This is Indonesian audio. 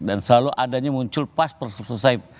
dan selalu adanya muncul pas selesai